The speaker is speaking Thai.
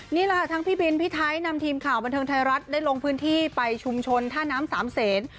นี่แหละค่ะทั้งพี่บินพี่ไทยนำทีมข่าวบันเทิงไทยรัฐได้ลงพื้นที่ไปชุมชนท่าน้ำสามเศษ